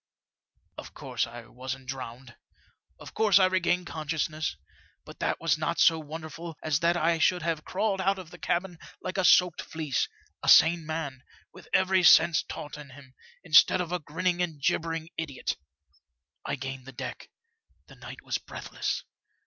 " Of course I wasn't drowned ; of course I regained consciousness ; but that was not so wonderful as that I should have crawled out of the cabin like a soaked fleece, a sane man, with every sense taut in him, instead of a grinning and gibbering idiot. I gained the deck. The night was breathless.